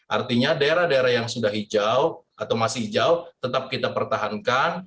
artinya daerah daerah yang sudah hijau atau masih hijau tetap kita pertahankan